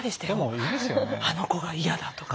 あの子が嫌だとか。